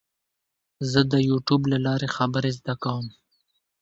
زه د یوټیوب له لارې خبرې زده کوم.